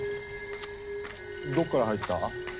どっから入った？